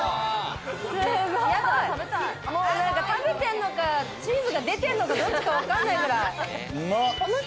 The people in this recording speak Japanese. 食べてんのかチーズが出てんのか、どっちかわかんないくらい。